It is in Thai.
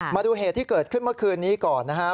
มาดูเหตุที่เกิดขึ้นเมื่อคืนนี้ก่อนนะฮะ